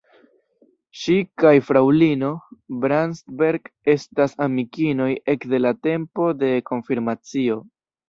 Ŝi kaj fraŭlino Bratsberg estas amikinoj ekde la tempo de konfirmacio.